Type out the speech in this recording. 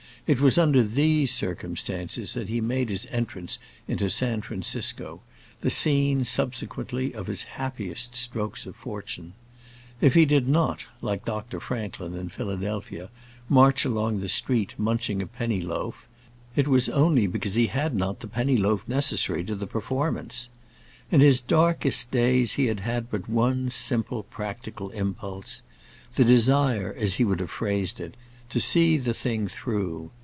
It was under these circumstances that he made his entrance into San Francisco, the scene, subsequently, of his happiest strokes of fortune. If he did not, like Dr. Franklin in Philadelphia, march along the street munching a penny loaf, it was only because he had not the penny loaf necessary to the performance. In his darkest days he had had but one simple, practical impulse—the desire, as he would have phrased it, to see the thing through.